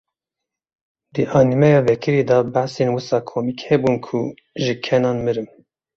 Di anîmeya vekirî de behsên wisa komîk hebûn ku ji kenan mirim.